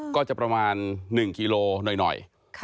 ก็จะประมาณ๑กิโลหน่อย